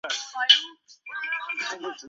卡巴卢马塞。